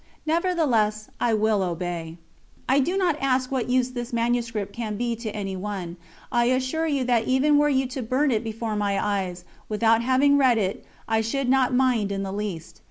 Nevertheless, I will obey. I do not ask what use this manuscript can be to any one, I assure you that even were you to burn it before my eyes, without having read it, I should not mind in the least.